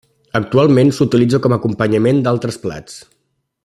Actualment s'utilitza com a acompanyament d'altres plats.